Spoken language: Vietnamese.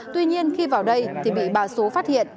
tuy nhiên khi vào đây thì bị bà số phát hiện